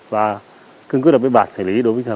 và cung quyết đặc biệt bản xử lý đối với các cơ sở